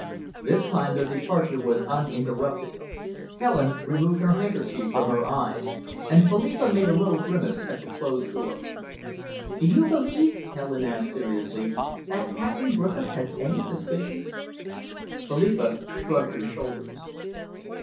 This time their departure was uninterrupted. Helen removed her handkerchief from her eyes, and Philippa made a little grimace at the closed door. "Do you believe," Helen asked seriously, "that Captain Griffiths has any suspicions?" Philippa shrugged her shoulders.